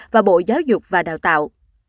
và bộ giáo dục và đào tạo